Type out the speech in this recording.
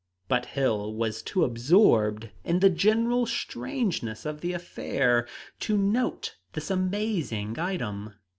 But Hill was too absorbed in the general strangeness of the affair to note this amazing item.